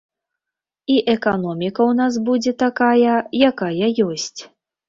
І эканоміка ў нас будзе такая, якая ёсць.